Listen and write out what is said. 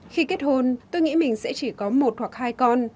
khi kết hôn tôi nghĩ mình sẽ chỉ còn